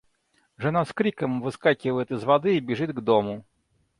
Жена с криком выскакивает из воды и бежит к дому.